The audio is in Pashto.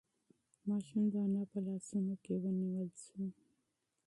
ماشوم د انا په لاسونو کې ونیول شو.